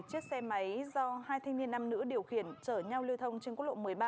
chiếc xe máy do hai thanh niên nam nữ điều khiển chở nhau lưu thông trên quốc lộ một mươi ba